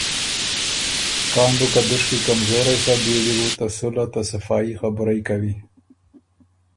کان بُو که دُشکی کمزورئ سَۀ بيې دی بو ته صلحه ته صفايي خبُرئ کوی۔